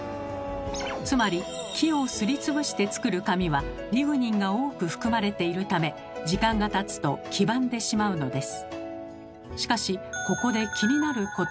つまり木をすりつぶして作る紙はリグニンが多く含まれているため時間がたつと黄ばんでしまうのです。